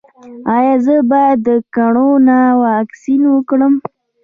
ایا زه باید د کرونا واکسین وکړم؟